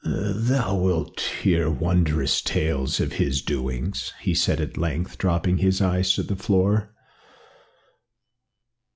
"Thou wilt hear wondrous tales of his doings," he said at length, dropping his eyes to the floor.